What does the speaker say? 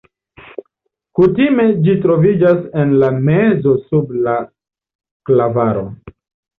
Kutime ĝi troviĝas en la mezo sub la klavaro.